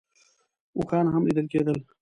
اوښان هم لیدل کېدل.